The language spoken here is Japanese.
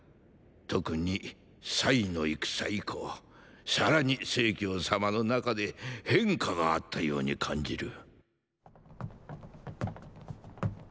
特にの戦以降さらに成様の中で変化があったように感じる。